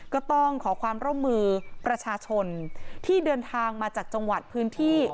ก็ต้องขอความร่วมมือประชาชนที่เดินทางมาจากจังหวัดพื้นที่